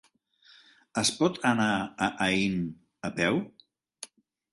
Es pot anar a Aín a peu?